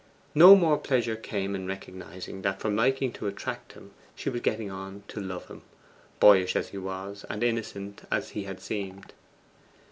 No more pleasure came in recognizing that from liking to attract him she was getting on to love him, boyish as he was and innocent as he had seemed.